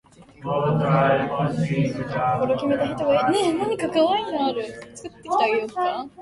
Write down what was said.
為せば成る為さねば成らぬ何事も。